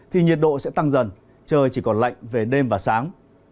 thì nhiệt độ sẽ tăng dần trời chỉ còn lạnh về đêm và sáng